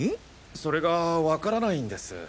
それがわからないんです。